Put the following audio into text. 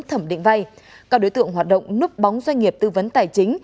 thẩm định vay các đối tượng hoạt động núp bóng doanh nghiệp tư vấn tài chính